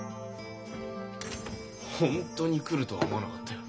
本当に来るとは思わなかったよ。